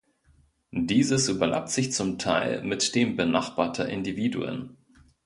Dieses überlappt sich zum Teil mit dem benachbarter Individuen.